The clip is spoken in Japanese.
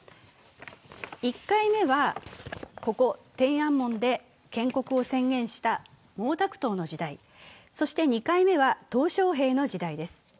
１回目はここ、天安門で建国を宣言した毛沢東の時代、２回目はトウ小平の時代です。